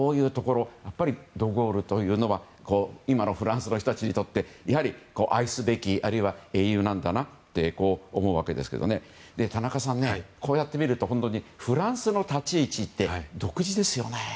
ド・ゴールというのは今のフランスの人たちにとって愛すべきあるいは英雄なんだなと思うわけなんですが田中さん、こうやってみるとフランスの立ち位置って独自ですよね。